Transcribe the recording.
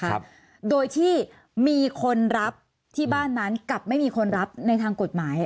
ครับโดยที่มีคนรับที่บ้านนั้นกับไม่มีคนรับในทางกฎหมาย